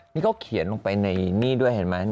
นี่เขาเขียนลงไปในนี่ด้วยเห็นมั้ยเนี่ย